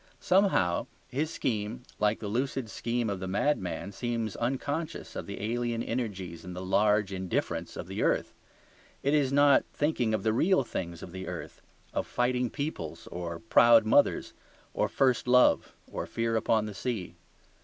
Somehow his scheme, like the lucid scheme of the madman, seems unconscious of the alien energies and the large indifference of the earth; it is not thinking of the real things of the earth, of fighting peoples or proud mothers, or first love or fear upon the sea.